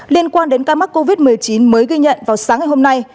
liên quan đến ca mắc covid một mươi chín mới ghi nhận vào sáng ngày hôm nay